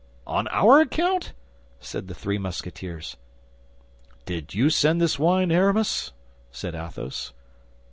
"On our account?" said the three Musketeers. "Did you send this wine, Aramis?" said Athos.